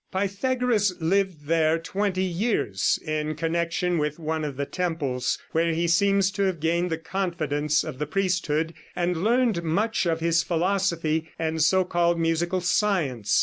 Pythagoras lived there twenty years in connection with one of the temples, where he seems to have gained the confidence of the priesthood and learned much of his philosophy and so called musical science.